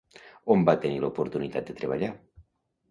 On va tenir l'oportunitat de treballar?